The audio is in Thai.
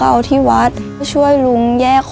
รับทุนไปต่อชีวิตสุดหนึ่งล้อนบอส